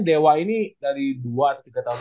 dewa ini dari dua atau tiga tahun